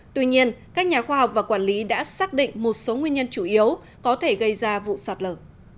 tuy nhiên các nhà khoa học và quản lý đã xác định một số nguyên nhân chủ yếu có thể gây ra vụ sạt lở